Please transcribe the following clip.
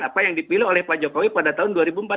apa yang dipilih oleh pak jokowi pada tahun dua ribu empat belas